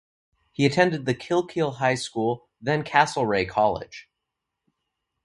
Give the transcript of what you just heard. He attended the Kilkeel High School then Castlereagh College.